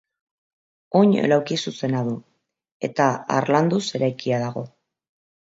Oin laukizuzena du eta harlanduz eraikia dago.